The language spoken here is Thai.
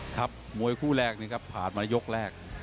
ครับมวยคู่แรกนะครับผ่านมายกแรก